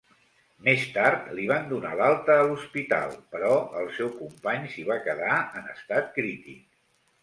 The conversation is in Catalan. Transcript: Més tard, li van donar l'alta a l'hospital, però el seu company s'hi va quedar en estat crític.